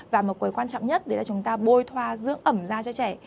và một cái quan trọng nhất là chúng ta bôi thoa dưỡng ẩm da cho trẻ